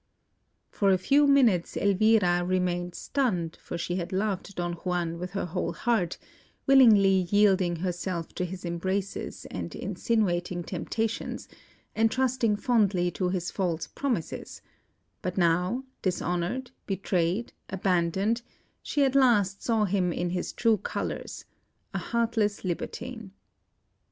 For a few minutes, Elvira remained stunned, for she had loved Don Juan with her whole heart, willingly yielding herself to his embraces and insinuating temptations, and trusting fondly to his false promises; but now, dishonoured, betrayed, abandoned, she at last saw him in his true colours a heartless libertine.